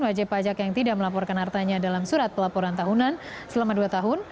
wajib pajak yang tidak melaporkan hartanya dalam surat pelaporan tahunan selama dua tahun